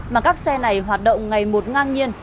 mà các xe này hoạt động ngày một ngang nhiên